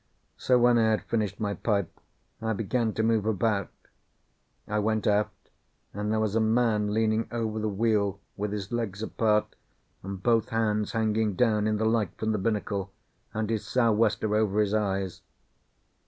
So when I had finished my pipe, I began to move about. I went aft, and there was a man leaning over the wheel, with his legs apart and both hands hanging down in the light from the binnacle, and his sou'wester over his eyes.